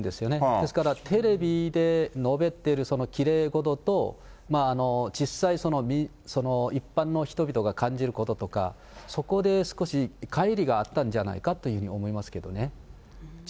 ですからテレビで述べてるきれいごとと、実際、一般の人々が感じることとか、そこで少しかい離があったんじゃないかというふうに思いますけどね。